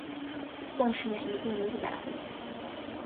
宋史演义共有一百回。